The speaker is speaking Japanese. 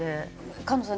菅野さん